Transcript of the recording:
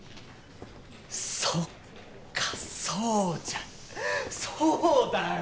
そっかそうじゃんそうだよ！